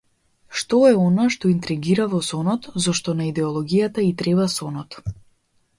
Што е она што интригира во сонот, зошто на идеологијата и треба сонот?